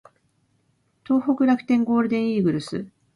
東北楽天ゴールデンイーグルス